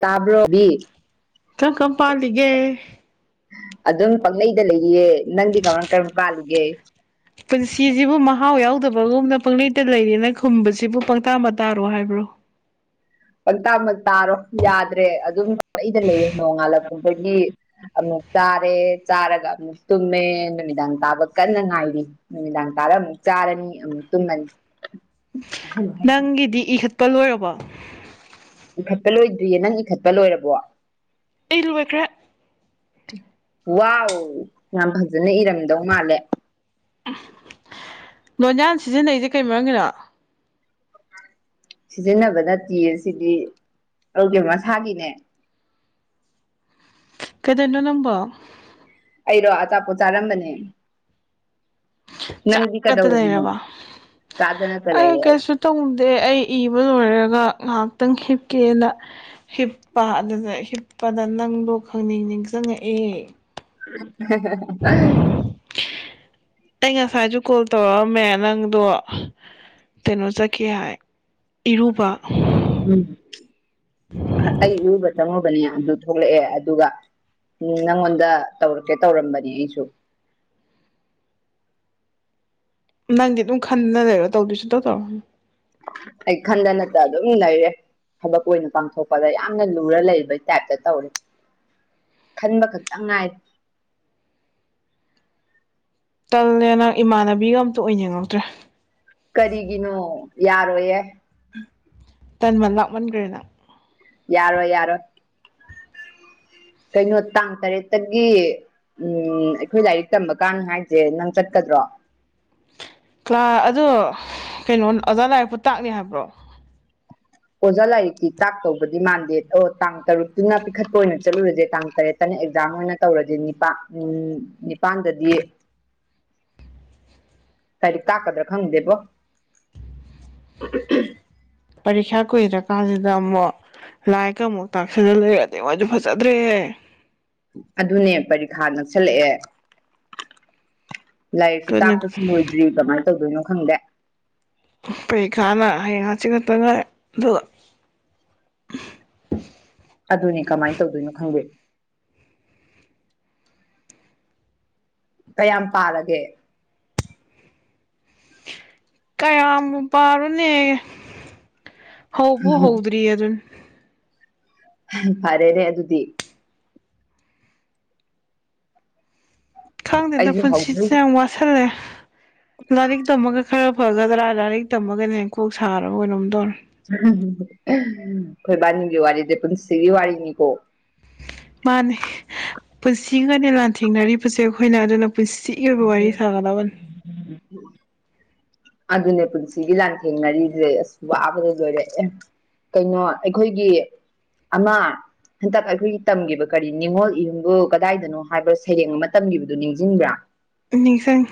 ꯇꯥꯕ꯭ꯔꯕꯤ ꯆ ꯀꯝ ꯄꯥꯜꯂꯤꯒꯦ ꯑꯗꯨꯝ ꯄꯥꯛꯪꯂꯩꯗ ꯂꯩꯔꯤꯌꯦ ꯅꯪꯗꯤ ꯀꯔꯃꯥꯏ ꯀꯔꯝꯕ ꯄꯥꯜꯂꯨꯒꯦ ꯄꯨꯟꯁꯤꯁꯤꯕꯨ ꯃꯍꯥꯎ ꯌꯥꯎꯗꯕꯒꯨꯝꯅ ꯄꯪꯩꯇ ꯂꯩꯔꯦꯅ ꯈꯨꯝꯕꯁꯤꯕꯨ ꯄꯪꯇꯥꯕ ꯇꯥꯔꯣ ꯍꯥꯏꯕ꯭ꯔꯣ [unintelligible] ꯄꯪꯇꯥꯃꯛ ꯇꯥꯔꯣ ꯌꯥꯗ꯭ꯔꯦ ꯑꯗꯨꯝ ꯑꯩꯗ ꯂꯩꯌꯦ ꯅꯣꯡꯉꯥꯜꯂꯛꯄꯗꯒꯤ ꯆꯥꯔꯦ ꯆꯥꯔꯒ ꯑꯃꯨꯛ ꯇꯨꯝꯃꯦ ꯅꯨꯃꯤꯗꯥꯡ ꯇꯥꯕ ꯀꯟꯅ ꯉꯥꯏꯔꯤ ꯅꯨꯃꯤꯗꯥꯡ ꯇꯥꯔꯨꯛ ꯆꯥꯔꯅꯤ ꯑꯃꯨ ꯇꯨꯝꯃꯅꯤ ꯅꯪꯒꯤꯗꯤ ꯏꯈꯠꯄ ꯂꯣꯏꯔꯕꯣ ꯏꯈꯠꯄ ꯂꯣꯏꯗ꯭ꯔꯤꯌꯦ ꯅꯪ ꯏꯈꯠꯄ ꯂꯣꯏꯔꯕꯣ ꯑꯩ ꯂꯣꯏꯈ꯭ꯔꯦ ꯋꯥꯎ ꯌꯥꯝ ꯐꯖꯅ ꯏꯔꯝꯗꯧ ꯃꯥꯜꯂꯦ ꯂꯣꯟꯌꯥꯟ ꯁꯤꯖꯤꯟꯅꯩꯁꯦ ꯀꯩ ꯃꯔꯝꯒꯤꯅꯣ ꯁꯤꯖꯤꯟꯅꯕ ꯅꯠꯇꯤꯌꯦ ꯁꯤꯗꯤ ꯑꯩꯒꯤ ꯃꯁꯥꯒꯤꯅꯦ ꯀꯩꯗꯧꯏꯅꯣ ꯅꯪꯕꯣ ꯑꯩꯔꯣ ꯑꯆꯥꯄꯣꯠ ꯆꯥꯔꯝꯕꯅꯦ ꯆꯥ ꯅꯪꯗꯤ [unintelligible] ꯀ ꯀꯗꯧꯔꯝꯃꯤꯅꯣ ꯂꯩꯔꯕ ꯆꯥꯗꯅꯇ ꯑꯩ ꯂꯩꯔꯦ ꯀꯩꯁꯨ ꯇꯧꯗꯦ ꯑꯩ ꯏꯕ ꯂꯣꯏꯔꯒ ꯉꯥꯏꯍꯥꯛ ꯇꯪ ꯍꯤꯞꯀꯦꯅ ꯍꯤꯞꯄꯥ ꯑꯗꯨꯗ ꯍꯤꯞꯄꯗ ꯅꯪꯗꯣ ꯈꯪꯅꯤꯡ ꯅꯤꯡꯁꯤꯡꯉꯛꯑꯦ ꯍꯦ ꯑꯩ [inaudible] ꯉꯁꯥꯏꯁꯨ ꯀꯣꯜ ꯇꯧꯔꯛꯑꯝꯃꯦ ꯅꯪꯗꯣ ꯀꯩꯅꯣ ꯆꯠꯈꯤ ꯍꯥꯏ ꯏꯔꯨꯕ ꯎꯝ ꯑꯩ ꯏꯔꯨꯕ ꯆꯪꯉꯨꯕꯅꯦ ꯑꯗꯨ ꯊꯣꯛꯂꯛꯑꯦ ꯑꯗꯨꯒ ꯎꯝ ꯅꯪꯉꯣꯟꯗ ꯇꯧꯔꯛꯀꯦ ꯇꯧꯔꯝꯕꯅꯦ ꯑꯩꯁꯨ ꯅꯪꯗꯤ ꯑꯗꯨꯝ ꯈꯟꯗꯅ ꯂꯩꯔꯣ ꯇꯧꯗꯤ ꯁꯨꯡꯇꯧ ꯇꯧꯔꯣꯅꯨ ꯑꯩ ꯈꯟꯗ ꯅꯠꯇ ꯑꯗꯨꯝ ꯂꯩꯥꯔꯦ ꯊꯕꯛ ꯑꯣꯏꯅ ꯄꯥꯡꯊꯣꯛꯄꯗ ꯌꯥꯝꯅ ꯂꯨꯔ ꯂꯩꯕꯩ ꯇꯥꯏꯞꯇ ꯇꯧꯔꯦ ꯈꯟꯕ ꯈꯛꯇꯪ ꯉꯥꯏ ꯇꯜꯂꯦ ꯅꯪ ꯏꯃꯥꯟꯅꯕꯤꯒ ꯑꯃꯠꯇ ꯑꯣꯏꯅꯤꯡꯉꯛꯇ꯭ꯔꯦ ꯀꯔꯤꯒꯤꯅꯣ ꯌꯥꯔꯣꯏꯌꯦ ꯇꯟꯃꯟ ꯂꯥꯛꯃꯟꯒ꯭ꯔꯦ ꯅꯪ ꯌꯥꯔꯣꯏ ꯌꯥꯔꯣꯏ ꯀꯩꯅꯣ ꯇꯥꯡ ꯇꯔꯦꯠꯇꯒꯤ ꯎꯝ ꯑꯩꯈꯣꯏ ꯂꯥꯏꯔꯤꯛ ꯇꯝꯕ ꯀꯥꯟ ꯍꯥꯏꯁꯦ ꯅꯪ ꯆꯠꯀꯗ꯭ꯔꯣ ꯀ꯭ꯂꯥ ꯑꯗꯣ ꯀꯩꯅꯣ ꯑꯣꯖꯥ ꯂꯥꯏꯔꯤꯛꯄꯨ ꯇꯥꯛꯅꯤ ꯍꯥꯏꯕ꯭ꯔꯣ ꯑꯣꯖꯥ ꯂꯥꯏꯔꯤꯛꯇꯤ ꯇꯥꯛꯇꯧꯕꯗꯤ ꯃꯥꯟꯗꯦ ꯗꯣ ꯇꯥꯡ ꯇꯔꯨꯛꯇꯨꯅ ꯄꯤꯈꯠꯄ ꯑꯣꯏꯅ ꯆꯠꯂꯨꯔꯁꯦ ꯇꯥꯡ ꯇꯔꯦꯠꯇꯅ ꯑꯦꯛꯖꯥꯝ ꯑꯣꯏꯅ ꯇꯧꯔꯗꯤ ꯅꯤꯄꯥꯛ ꯎꯝ ꯅꯤꯄꯥꯥꯟꯗꯗꯤ ꯂꯥꯏꯔꯤꯛ ꯇꯥꯛꯀꯗ꯭ꯔꯥ ꯈꯪꯗꯦꯕꯣ ꯄꯔꯤꯈ꯭ꯌꯥ ꯀꯨꯏꯗ꯭ꯔꯥ ꯀꯥꯟꯁꯤꯗ ꯑꯃꯨꯛ ꯂꯥꯏꯔꯤꯛꯀꯥ ꯑꯃꯨꯛ ꯇꯥꯛꯁꯤꯜꯂ ꯂꯩꯔꯗꯤ ꯃꯣꯏꯁꯨ ꯐꯖꯗ꯭ꯔꯦꯍꯦ ꯇ [inaudible] ꯑꯗꯨꯅꯦ ꯄꯔꯤꯈꯥ ꯅꯛꯁꯜꯂꯛꯑꯦ ꯂꯥꯏꯔꯤꯛꯁꯨ ꯑꯗꯨꯅꯤ ꯇꯥꯛꯄꯁꯨꯂꯣꯏꯗ꯭ꯔꯤ ꯀꯃꯥꯏ ꯇꯧꯗꯣꯏꯅꯣ ꯈꯪꯗꯦ ꯄꯔꯤꯈ꯭ꯌꯥꯅ ꯍꯌꯦꯡ ꯍꯡꯆꯤꯠ ꯈꯛꯇ ꯉꯥꯏꯔꯦ ꯑꯗꯨꯒ ꯑꯗꯨꯅꯦ ꯀꯃꯥꯏ ꯇꯧꯗꯣꯏꯅꯣ ꯈꯪꯒꯦ ꯀꯌꯥꯝ ꯄꯥꯔꯒꯦ ꯀꯌꯥꯝꯕꯨ ꯄꯥꯔꯨꯅꯦꯒꯦ ꯍꯧꯕꯨ ꯍꯧꯗ꯭ꯔꯤ ꯑꯗꯨꯅꯤ ꯐꯔꯦꯅꯦ ꯑꯗꯨꯗꯤ ꯈꯪꯗꯦꯗ ꯑꯩꯁꯨ ꯍꯧꯗ꯭ꯔꯤ ꯄꯨꯟꯁꯤꯁꯦ ꯌꯥꯝ ꯋꯥꯁꯜꯂꯦ ꯂꯥꯏꯔꯤꯛ ꯇꯝꯃꯒ ꯈꯔ ꯐꯒꯗ꯭ꯔꯥ ꯍꯥꯏꯔꯒ ꯂꯥꯏꯔꯤꯛ ꯇꯝꯃꯒꯅ ꯍꯦꯟꯅ ꯀꯣꯛ ꯁꯥꯔꯕ ꯀꯩꯅꯣꯝ ꯇꯧꯔꯦ ꯑꯩꯈꯣꯏꯕꯥꯏꯅꯤꯒꯤ ꯋꯥꯔꯤꯁꯦ ꯄꯨꯟꯁꯤꯒꯤ ꯋꯥꯔꯤꯅꯤꯀꯣ ꯃꯥꯅꯦ ꯄꯨꯟꯁꯤꯒꯅꯦ ꯂꯥꯟꯊꯦꯡꯅꯔꯤꯕꯁꯦ ꯑꯩꯈꯣꯏꯅ ꯑꯗꯨꯅ ꯄꯨꯁꯤꯒꯤ ꯑꯣꯏꯕ ꯋꯥꯔꯤ ꯁꯥꯒꯗꯕꯅꯤ ꯑꯗꯨꯅꯦ ꯄꯨꯟꯁꯤꯒꯤ ꯂꯥꯟꯊꯦꯡꯅꯔꯤꯁꯦ ꯑꯁ ꯋꯥꯕꯗ ꯂꯣꯏꯔꯦꯍꯦ ꯀꯩꯅꯣ ꯑꯩꯈꯣꯏꯒꯤ ꯑꯃꯥ ꯍꯟꯇꯛ ꯑꯩꯈꯣꯏꯒꯤ ꯇꯝꯒꯤꯕ ꯀꯔꯤ ꯅꯤꯡꯉꯣꯜ ꯏꯌꯨꯝꯕꯨ ꯀꯗꯥꯏꯗꯅꯣ ꯍꯥꯏꯕ ꯁꯩꯔꯦꯡ ꯑꯃ ꯇꯝꯈꯤꯕꯗꯨꯣ ꯅꯤꯡꯁꯤꯡꯕ꯭ꯔꯥ ꯅꯤꯁꯡ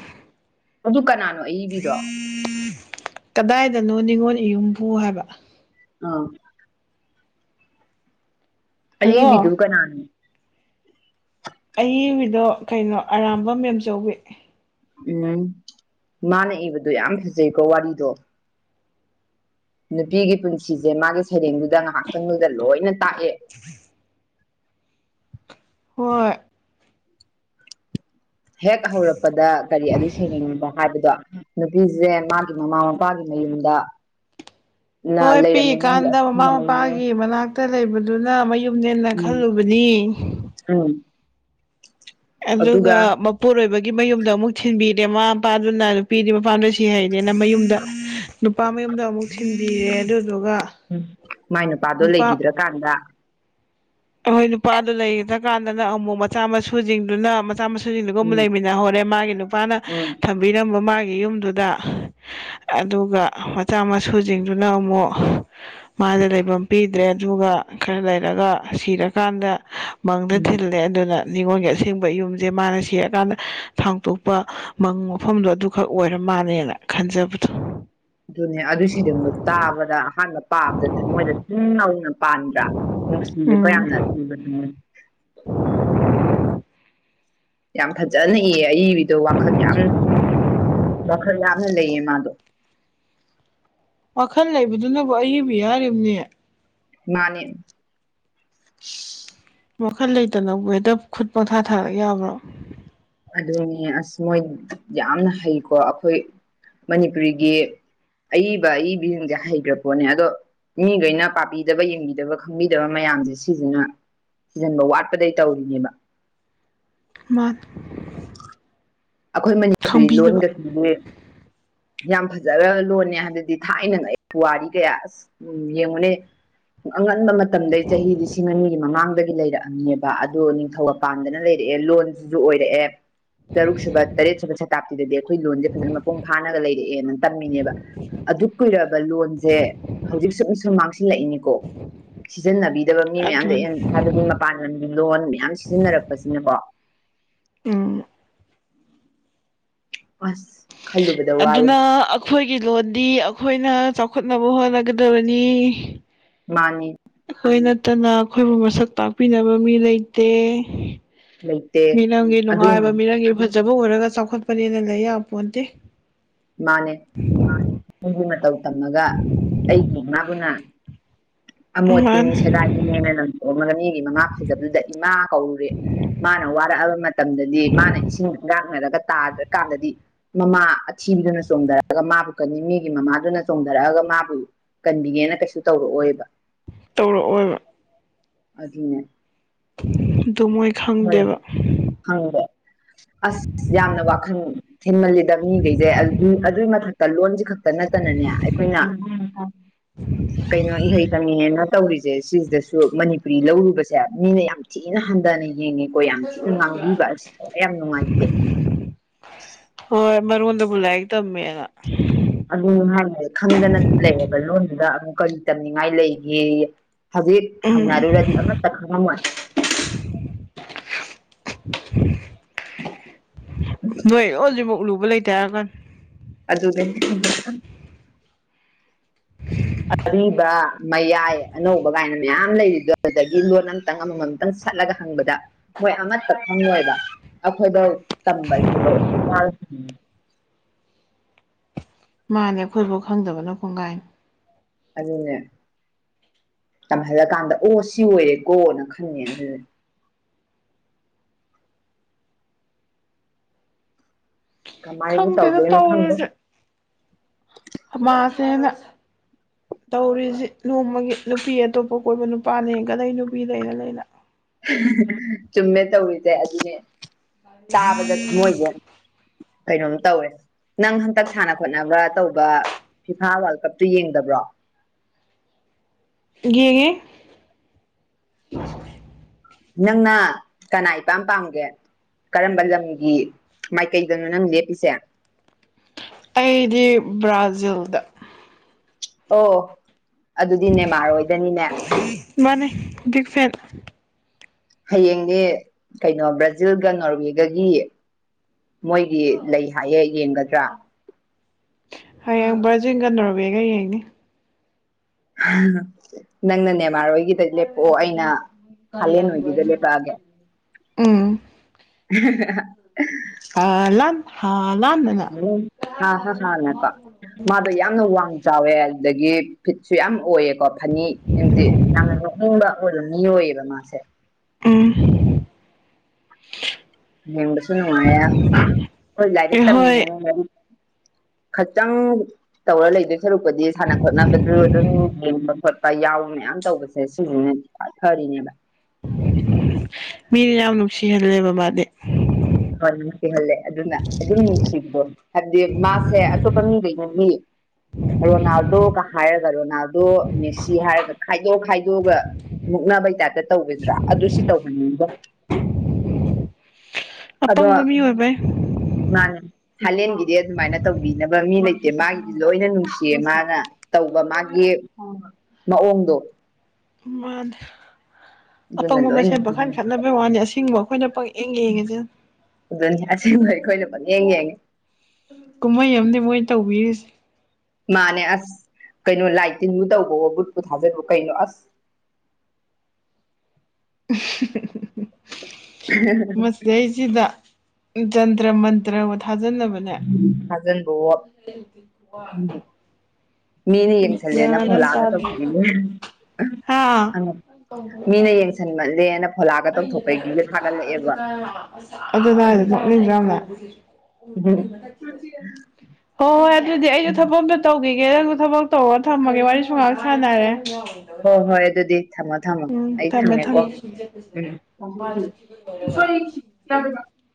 ꯑꯗꯨ ꯀꯅꯥ ꯀꯗꯥꯏꯗꯅꯣ ꯅꯤꯡꯉꯣꯜ ꯏꯌꯨꯝꯕꯨ ꯍꯥꯏꯕ ꯑ ꯑꯏꯕꯤꯗꯨ ꯍꯜꯂꯣ ꯀꯅꯥꯅꯣ ꯑꯏꯕꯤꯗꯣ ꯀꯩꯅꯣ ꯑꯔꯥꯝꯕꯝ ꯃꯦꯝꯆꯧꯕꯤ ꯎꯝ ꯃꯥꯅ ꯏꯕꯗꯣ ꯌꯥꯝ ꯐꯖꯩꯀꯣ ꯋꯥꯔꯤꯗꯣ ꯅꯨꯄꯤꯒꯤ ꯄꯨꯟꯁꯤꯁꯦ ꯃꯥꯒꯤ ꯁꯩꯔꯦꯡꯗꯨꯗ ꯉꯥꯏꯍꯥꯛꯇꯪꯗꯨꯗ ꯂꯣꯏꯅ ꯇꯥꯛꯑꯦ ꯍꯣꯏ ꯍꯦꯛ ꯍꯧꯔꯛꯄꯗ ꯀꯔꯤ ꯑꯗꯨ ꯁꯩꯔꯦꯡꯗꯨꯅ ꯍꯥꯏꯕꯗꯣ ꯅꯨꯄꯤꯁꯦ ꯃꯥꯒꯤ ꯃꯃꯥ ꯃꯄꯥꯒꯤ ꯃꯌꯨꯝꯗ ꯅ ꯍꯣꯏ ꯂꯩꯔꯝꯃꯤ ꯃꯣꯏꯒꯤ ꯄꯤꯛꯏꯀꯥꯟꯗ ꯃꯃꯥ ꯑꯁꯦꯡꯕ ꯃꯌꯨꯝꯅꯦ ꯃꯄꯥꯒꯤ ꯃꯅꯥꯛ ꯇ ꯂꯩꯕꯗꯨꯅ ꯃꯌꯨꯝꯅꯦꯅ ꯎꯝ ꯈꯜꯂꯨꯕꯅꯤ ꯎꯝ ꯑꯗꯨꯒ ꯃꯄꯨꯔꯣꯏꯕ ꯒꯤ ꯃꯌꯨꯝꯗ ꯑꯃꯨꯛ ꯊꯤꯟꯕꯤꯔꯦ ꯃꯃꯥ ꯃꯄꯥꯗꯨꯅ ꯅꯨꯄꯤꯗꯤ ꯃꯄꯥꯝꯗ ꯁꯤ ꯍꯩꯗꯦꯅ ꯃꯌꯨꯝꯗ ꯅꯨꯄꯥ ꯃꯌꯨꯝꯗ ꯑꯃꯨꯛ ꯊꯤꯟꯕꯤꯔꯦ ꯑꯗꯨ ꯎꯝ ꯃꯥꯏ ꯅꯨꯄꯥꯗꯣ ꯂꯩꯈꯤꯗ꯭ꯔꯀꯥꯟꯗ ꯑꯩꯈꯣꯏ ꯅꯨꯄꯥꯗꯨ ꯂꯩꯈꯤꯗ꯭ꯔ ꯀꯥꯟꯗꯅ ꯑꯃꯨꯛ ꯃꯆꯥ ꯃꯁꯨꯁꯤꯡꯗꯨꯅ ꯃꯆꯥ ꯃꯁꯨ ꯁꯖꯤꯒꯨꯝ ꯎꯝ ꯂꯩꯃꯤꯟꯅꯍꯧꯔꯦ ꯃꯥꯒꯤ ꯅꯨꯄꯥꯅ ꯎꯝ ꯊꯝꯕꯤꯔꯝꯕ ꯃꯥꯒꯤ ꯌꯨꯝꯗꯨꯗ ꯑꯗꯨꯒ ꯃꯆꯥ ꯃꯁꯨꯁꯤꯡꯗꯨꯅ ꯑꯃꯨꯛ ꯃꯥꯗ ꯂꯩꯐꯝ ꯄꯤꯗ꯭ꯔꯦ ꯑꯗꯨꯒ ꯈꯔ ꯂꯩꯔꯒ ꯁꯤꯔꯀꯥꯟꯗ ꯃꯪꯗ ꯎꯝ ꯊꯤꯜꯂꯦ ꯑꯗꯨꯅ ꯅꯤꯉꯣꯟꯜꯒꯤ ꯑꯁꯦꯡꯕ ꯌꯨꯝꯁꯦ ꯃꯥꯅ ꯁꯤꯔꯀꯥꯟꯗ ꯊꯥꯡꯇꯣꯛꯄ ꯃꯪ ꯃꯐꯝꯗꯣ ꯑꯗꯨꯈꯛ ꯑꯣꯏꯔꯝ ꯃꯥꯅꯦꯅ ꯈꯟꯖꯕꯗꯣ ꯑꯗꯨꯅꯦ ꯑꯗꯨ ꯁꯩꯔꯦꯡꯗꯣ ꯇꯥꯕꯗ ꯑꯍꯥꯟꯕ ꯄꯥꯕꯗ ꯊꯃꯣꯏꯗ ꯇꯤꯡ ꯂꯥꯎꯅ ꯄꯥꯟꯕ꯭ꯔꯥ ꯅꯨꯡꯁꯤꯌꯦꯀꯣ ꯌꯥꯝꯅ ꯎꯝ ꯊꯤꯕꯅꯦ [inaudible] ꯌꯥꯝ ꯐꯖꯅ ꯏ ꯑꯏꯕꯤꯗꯣ ꯋꯥꯈꯜ ꯌꯥꯝ ꯋꯥꯈꯜ ꯌꯥꯝꯅ ꯂꯩꯌꯦ ꯃꯥꯗꯣ ꯋꯥꯈꯜ ꯂꯩꯕꯗꯨꯅꯕꯨ ꯑꯏꯕꯨ ꯍꯥꯏꯔꯤꯕꯅꯤ ꯃꯥꯅꯤ ꯋꯥꯈꯜ ꯂꯩꯇꯅꯕꯨ ꯍꯦꯛꯇ ꯈꯨꯠ ꯄꯪꯊꯥ ꯊꯥꯔꯛ ꯌꯥꯕ꯭ꯔꯣ ꯑꯗꯨꯅꯦ ꯑꯁ ꯃꯣꯏ ꯌꯥꯝꯅ ꯍꯩꯀꯣ ꯑꯩꯈꯣꯏ ꯃꯅꯤꯄꯨꯔꯤꯒꯤ ꯑꯏꯕ ꯑꯏꯕꯤꯁꯤꯡꯁꯦ ꯍꯩꯈ꯭ꯔ ꯄꯣꯠꯅꯦ ꯑꯗꯣ ꯃꯤꯈꯩꯅ ꯄꯥꯕꯤꯗꯕ ꯌꯦꯡꯕꯤꯗꯕ ꯈꯪꯕꯤꯗꯕ ꯃꯌꯥꯝꯁꯦ ꯁꯤꯁꯤꯅ ꯊꯤꯖꯤꯟꯕ ꯋꯥꯠꯄꯗꯒꯤ ꯇꯧꯔꯤꯅꯦꯕ ꯃꯥꯅꯤ ꯑꯩꯈꯣꯏ ꯃꯅꯤꯄꯨꯔꯤ ꯂꯣꯟꯒꯁꯤꯗꯤ ꯌꯥꯝ ꯐꯖꯒꯔꯕ ꯂꯣꯟꯅꯦ ꯍꯥꯏꯕꯗꯤ ꯊꯥꯏꯅ ꯄꯨꯋꯥꯔꯤ ꯀꯌꯥ ꯑꯁ ꯎ ꯌꯦꯡꯉꯨꯅꯦ ꯑꯉꯟꯕ ꯃꯇꯝꯗꯒꯤ ꯆꯍꯤ ꯂꯤꯁꯤꯡ ꯑꯅꯤꯒꯤ ꯃꯃꯥꯡꯗꯒꯤ ꯂꯩꯔꯛꯑꯝꯅꯦꯕ ꯑꯗꯣ ꯅꯤꯡꯊꯧꯒ ꯄꯥꯟꯗꯅ ꯂꯩꯔ ꯑꯦ ꯂꯣꯟꯁꯤꯁꯨ ꯑꯣꯏꯔꯛꯑꯦ ꯇꯔꯨꯛ ꯁꯨꯕ ꯇꯔꯦꯠ ꯁꯨꯕ ꯁꯇꯥꯞꯇꯤꯗꯗꯤ ꯑꯩꯈꯣꯏ ꯂꯣꯟꯁꯦ ꯐꯖꯅ ꯃꯄꯨꯡ ꯐꯥꯅꯒ ꯂꯩꯔꯛꯑꯦꯅ ꯇꯝꯃꯤꯅꯦꯕ ꯑꯗꯨꯛ ꯀꯨꯏꯔ ꯂꯕ ꯂꯣꯟꯁꯦ ꯍꯧꯖꯤꯛ ꯁꯨꯝ ꯁꯨꯝ ꯃꯥꯡꯁꯤꯜꯂꯛꯏꯅꯤꯀꯣ ꯁꯤꯖꯤꯟꯅꯕ ꯕ ꯃꯤ ꯃꯌꯥꯝꯗꯣ ꯑꯗꯨꯅꯤ ꯍꯥꯏꯕꯗꯤ ꯃꯄꯥꯟ ꯂꯝꯅꯦ ꯂꯣꯟ ꯃꯌꯥꯝ ꯁꯤꯖꯤꯟꯅꯔꯛꯄꯁꯤꯅꯀꯣ ꯎꯝ ꯁ ꯑꯗꯨꯅ ꯑꯩꯈꯣꯏꯒꯤ ꯂꯣꯟꯗꯤ ꯑꯩꯈꯣꯏꯅ ꯆꯥꯎꯈꯠꯅꯕ ꯍꯣꯠꯅꯒꯗꯕꯅꯤ ꯃꯥꯅꯤ ꯑꯩꯈꯣꯏ ꯅꯠꯇꯅ ꯑꯩꯈꯣꯏꯕꯨ ꯃꯁꯛ ꯇꯥꯛꯄꯤꯅꯕ ꯃꯤ ꯂꯩꯇꯦ ꯂꯩꯇꯦ ꯃꯤꯔꯝꯒꯤ ꯑꯗꯨꯏ ꯅꯨꯡꯉꯥꯏꯕ ꯃꯤꯔꯝꯒꯤ ꯐꯖ ꯖꯕ ꯎꯔꯒ ꯆꯥꯎꯈꯠꯄꯅꯦꯅ ꯂꯩ ꯌꯥꯄꯣꯟꯇꯦ ꯃꯥꯅꯦ ꯃꯤꯒꯤ ꯃꯇꯧ ꯇꯝꯃꯒ ꯑꯩꯒꯤ ꯏꯃꯥꯕꯨꯅ ꯑꯃꯣꯠꯄꯤꯅꯤ ꯃꯥꯅꯤ ꯁꯦꯒꯥꯏꯕꯤꯅꯦꯅ ꯂꯪꯊꯣꯛꯑꯝꯃꯒ ꯃꯤꯒꯤ ꯃꯃꯥ ꯐꯖꯕꯤꯗꯨꯗ ꯏꯃꯥ ꯀꯧꯔꯨꯔꯦ ꯃꯥꯅ ꯋꯥꯔꯛꯑꯕ ꯃꯇꯝꯗꯗꯤ ꯃꯥꯅ ꯏꯁꯤꯡ ꯏꯉꯥꯛꯅꯔꯒ ꯇꯥꯗ꯭ꯔꯀꯥꯟꯗꯗꯤ ꯃꯃꯥ ꯁꯤꯗꯨꯅ ꯆꯣꯡꯊꯔꯛꯑꯒ ꯃꯥꯕꯨ ꯀꯟꯅꯤ ꯃꯤꯒꯤ ꯃꯃꯥꯗꯨꯅ ꯆꯣꯡꯊꯔꯛꯑꯒ ꯃꯥꯕꯨ ꯀꯟꯕꯤꯒꯦꯅ ꯀꯩꯁꯨ ꯇꯧꯔꯛꯑꯣ ꯑꯣꯏꯕ ꯇꯧꯔꯛꯑꯣꯕ ꯑꯗꯨꯅꯦ [inaudible] ꯑꯩ ꯈꯪꯗꯦꯕ ꯍꯪꯦ ꯑꯁ ꯌꯥꯝꯅ ꯋꯥꯈꯜ ꯊꯤꯟꯃꯜꯂꯤꯗ ꯃꯤꯈꯩꯁꯦ ꯑꯗꯨꯏ ꯃꯊꯛꯇ ꯂꯣꯟꯁꯤ ꯈꯛꯇ ꯅꯠꯇꯅꯅꯦ ꯑꯩꯈꯣꯏꯅ ꯀꯩꯅꯣ ꯏꯍꯩꯒꯪꯉꯦꯅ ꯇꯧꯔꯤꯁꯦ ꯁꯤꯁꯤꯗꯁꯨ ꯃꯅꯤꯄꯨꯔꯤ ꯂꯧꯔꯨꯕꯁꯦ ꯃꯤꯅ ꯌꯥꯝ ꯊꯤꯅ ꯍꯟꯊꯅꯩ ꯌꯦꯡꯉꯦꯀꯣ ꯌꯥꯝ ꯊꯤꯅ ꯉꯥꯡꯕꯤꯕ ꯑꯁꯤꯗ ꯌꯥꯝ ꯅꯨꯡꯉꯥꯏꯇꯦ ꯃꯔ ꯍꯗ ꯨꯂꯥꯏꯒ ꯇꯝꯃꯦꯦꯅ ꯑꯗꯨꯝ ꯍꯥꯏꯅ ꯈꯪꯗꯅ ꯂꯩꯔꯕ ꯂꯣꯟꯗꯨꯗ ꯑꯃꯨꯛ ꯀꯔꯤ ꯇꯝꯅꯤꯡꯉꯥꯏ ꯂꯩꯒꯦ ꯍꯧꯖꯤꯛ ꯎꯝ ꯍꯪꯅꯔꯨꯔꯗꯤ ꯑꯃꯠꯇ ꯈꯪꯉꯝꯃꯣꯏ [inaudible] ꯅꯣꯏ ꯍꯧꯖꯤꯛꯐꯥꯎ ꯂꯨꯕ ꯂꯩꯇꯦ ꯍꯥꯏꯔꯀꯥꯟ ꯑꯗꯨ ꯑꯗꯨꯒ ꯑ ꯑꯔꯤꯕ ꯃꯌꯥꯏ ꯑꯅꯧꯕ ꯀꯥꯏꯅ ꯃꯌꯥꯝ ꯂꯩꯔꯤꯗꯗꯒꯤ ꯂꯣꯟ ꯑꯃꯇꯪ ꯑꯃꯃꯝꯇꯪ ꯁꯠꯂꯒ ꯍꯪꯉ ꯪ ꯃꯣꯏ ꯑꯃꯠꯇ ꯐꯪꯉꯣꯏꯕ ꯑꯩꯈꯣꯏꯗꯧ ꯇꯝꯕ ꯑꯩꯈꯣꯏꯗ ꯃꯥꯅꯦ ꯑꯩꯈꯣꯏꯕꯨꯥꯎ ꯈꯪꯗꯕꯅ ꯀꯣꯡꯒꯥꯏꯅꯤ ꯑꯗꯨꯗꯅꯦꯦ ꯇꯝꯍꯜꯂꯀꯥꯟꯗ ꯑꯣ ꯁꯤ ꯑꯣꯏꯔꯦꯀꯣꯅ ꯈꯟꯉꯦ ꯑꯗꯨꯗꯤ [inaudible] ꯀꯃꯥꯏꯕꯨ ꯈꯪꯗꯦꯗ ꯇꯥꯎꯗꯅ ꯈꯪꯗ ꯃꯥꯁꯦꯅ ꯇꯧꯔꯤꯁꯤ ꯅꯣꯡꯃꯒꯤ ꯅꯨꯄꯤ ꯑꯇꯣꯞꯄ ꯀꯣꯏꯕ ꯅꯨꯄꯥꯅꯦ ꯀꯗ ꯅꯨꯄꯤꯗꯩꯅ ꯂꯩꯅ ꯆꯨꯝꯃꯦ ꯇꯧꯔꯤꯁꯦ ꯑꯗꯨꯅꯦ ꯇꯥꯕꯗ ꯊꯨꯝꯃꯣꯏꯁꯦ ꯀꯩꯅꯣꯝ ꯇꯧꯋꯦ ꯅꯪ ꯍꯟꯇꯛ ꯁꯥꯟꯅ ꯈꯣꯠꯅꯕ ꯇꯧꯕ ꯐꯤꯐꯥ ꯋꯥꯔꯜ ꯀꯞꯇꯨ ꯌꯦꯡꯗꯕ꯭ꯔꯣ [unintelligible] ꯌꯦꯅꯦꯦ ꯅꯪꯅ ꯀꯅꯥ ꯏꯄꯥꯝ ꯄꯥꯝꯒꯦ ꯀꯔꯝꯕ ꯂꯝꯒꯤ ꯃꯥꯏꯀꯩꯗꯅꯣ ꯅꯪ ꯂꯦꯞꯄꯤꯁꯦ ꯑꯩꯗꯤ ꯕ꯭ꯔꯥꯖꯤꯜꯗ ꯑꯣ ꯑꯗꯨꯗꯤ ꯅꯦꯃꯥꯔꯣꯏꯗꯅꯤꯅꯦ ꯃꯥꯅꯤ ꯛ ꯐꯦꯟ ꯍꯌꯦꯡꯅꯦ ꯀꯩꯅꯣ ꯕ꯭ꯔꯥꯖꯤꯜꯒ ꯅꯣꯔꯋꯦꯒꯒꯤ ꯃꯣꯏꯒꯤ ꯂꯩ ꯍꯥꯏꯌꯦꯦ ꯌꯦꯡꯒꯗ꯭ꯔꯥ ꯍꯌꯦꯡ ꯕꯔꯖꯤꯡꯒꯟꯅꯕꯦꯒ ꯌꯦꯡꯅꯤ ꯅꯪ ꯅꯅꯦ ꯌꯥꯝ ꯃꯔꯣꯏꯒꯤꯗ ꯂꯦꯞꯄꯛꯑꯣ ꯑꯩꯅ ꯐꯥꯂꯦꯟ ꯍꯣꯏꯒꯤꯗ ꯂꯦꯞꯄꯛꯑꯒꯦ ꯎꯝ [unintelligible] ꯑ ꯂ ꯎꯝ ꯍꯥ ꯍꯥ ꯍꯥꯟꯅꯀꯣ ꯃꯥꯗꯣ ꯌꯥꯝꯅ ꯋꯥꯡꯕ ꯆꯥꯎꯋꯦ ꯑꯗꯨꯗꯒꯤ ꯐꯤꯠꯁꯨ ꯌꯥꯝ ꯑꯣꯏꯌꯦ ꯀꯣ ꯐꯅꯤ ꯑꯝꯗꯤ ꯌꯥꯝꯅ ꯂꯣꯛꯅꯤꯡꯕ ꯑꯣꯏꯕ ꯃꯤꯑꯣ ꯑꯣꯏꯏꯌꯦꯕ ꯃꯥꯁꯦ ꯎꯝ ꯌꯦꯕꯁꯨ ꯅꯨꯡꯉꯥꯏꯌꯦ ꯑꯩꯈꯣꯏ ꯂꯥꯏꯔꯤꯛ ꯑꯩꯍꯣꯏ ꯇꯝꯃꯤꯅꯦꯅꯔꯤ ꯈꯈꯤꯇꯪ ꯇꯧꯔ ꯂꯩꯗꯣꯏ ꯁꯔꯨꯛꯄꯗꯤ ꯁꯥꯟꯅ ꯈꯣꯠꯅꯕꯁꯨ ꯑꯗꯨꯝ ꯌꯦꯡꯕ ꯈꯣꯠꯄ ꯌꯥꯎ ꯃꯌꯥꯝ ꯇꯧꯕꯁꯦ ꯁꯤꯁꯤꯅ ꯐꯔꯤꯅꯦꯕ ꯃꯤꯅ ꯌꯥꯝ ꯅꯨꯡꯁꯤꯍꯜꯂꯦ ꯕꯕꯥꯗꯤ ꯍꯣꯏ ꯅꯨꯡꯁꯤꯍꯜꯂꯦ ꯑꯗꯨꯅ ꯑꯗꯨꯝ ꯅꯨꯡꯁꯤꯕꯗꯣ ꯍꯥꯏꯕꯗꯤ ꯃꯥꯁꯦ ꯑꯇꯣꯞꯄ ꯃꯤꯗꯩꯅ ꯃꯤ ꯍ ꯋꯥ ꯅ ꯑꯗꯣ ꯀ ꯍꯥꯏ ꯔꯣꯅꯥꯜꯗꯣ ꯃꯦꯁꯤ ꯍꯥꯏꯔꯒ ꯈꯥꯏꯗꯣꯛ ꯈꯥꯏꯗꯣꯛꯑꯒ ꯃꯨꯛꯅꯕꯩ ꯇꯥꯔꯦ ꯇꯧꯒꯗ꯭ꯔꯥ ꯑꯗꯨ ꯁꯤ ꯇꯧꯍꯟꯅꯤꯡꯕꯣ ꯑꯗꯣ ꯑꯄꯪꯕ ꯃꯤ ꯑꯣꯏꯕꯩ ꯃꯥꯅ ꯊꯥꯏꯂꯦꯟꯒꯤꯗꯤ ꯑꯗꯨꯃꯥꯏꯅ ꯇꯧꯕꯤꯅꯕ ꯃꯤ ꯂꯩ ꯦ ꯃꯥꯒꯤꯗꯤ ꯂꯣꯏꯅ ꯅꯨꯡꯁꯤꯌꯦ ꯃꯥꯅ ꯇꯧꯕ ꯃꯥꯒꯤ ꯃꯑꯣꯡꯗꯣ ꯃꯥꯗ ꯑꯗꯨꯅ ꯑꯄꯪꯕ ꯂꯣꯏ ꯃꯁꯦꯟ ꯄꯥꯈꯜ ꯈꯠꯅꯕꯩ ꯋꯥꯅꯤ ꯑꯁꯤꯡꯕ ꯑꯩꯈꯣꯏꯅ ꯄꯪꯌꯦꯡ ꯌꯦꯡꯉꯁꯦ ꯑꯗꯨꯅꯦ ꯑꯁꯤꯡꯕ ꯑꯩꯈꯣꯏꯅ ꯄ ꯌꯦꯡ ꯌꯦꯡꯉꯦ ꯀꯨꯝꯍꯩ ꯑꯃꯗꯤ ꯃꯣꯏ ꯇꯧꯕꯤꯔꯤꯁꯦ ꯃꯥꯅꯦ ꯑꯁ ꯀꯩꯅꯣ ꯂꯥꯏꯇꯤꯟꯕꯨ ꯇꯧꯕꯣ ꯕꯨꯨꯠꯄꯨ ꯊꯥꯖꯤꯟꯕꯨ ꯀꯩꯅꯣ ꯑꯁ ꯃꯁꯤ ꯑꯩꯁꯤꯗ ꯖꯟꯇ꯭ꯔ ꯃꯟꯇ꯭ꯔꯕꯨ ꯊꯥꯖꯟꯅꯕꯅꯦ ꯊꯥꯖꯟꯕꯋꯣ ꯀꯋꯥ ꯃꯤꯅ ꯌꯦꯡꯁꯤꯜꯗꯦꯅ ꯐꯣꯂꯥꯛꯑꯒ ꯇꯧꯅꯦ ꯍꯥꯥ ꯑ ꯃꯤꯅ ꯌꯦꯡꯁꯟꯕꯜꯂꯦꯅ ꯑꯗꯨꯝꯗ [inaudible] ꯎꯝ ꯍꯣꯏ ꯍꯣꯏ ꯑꯗꯨꯗꯤ ꯑꯩꯁꯨ ꯊꯕꯛ ꯑꯝꯇ ꯇꯧꯒꯤ ꯏꯒꯦ ꯅꯪꯕꯨ ꯊꯕꯛ ꯇꯧꯔꯒ ꯊꯝꯃꯒꯦ ꯋꯥꯔꯤꯁꯨ ꯉꯥꯏꯍꯥꯛ ꯁꯥꯟꯅꯔꯦ ꯍꯣꯏ ꯍꯣꯏ ꯑꯗꯨꯗꯤ ꯊꯝꯃꯣ ꯊꯝꯃꯣ ꯎꯝ ꯑꯩ ꯊꯝꯃꯦ ꯊꯝꯃꯦꯀꯣ ꯊꯝꯃꯦ ꯎꯝ ꯔ [inaudible]